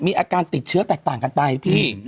มีอาการติดเชื้อแตกต่างกันไปพี่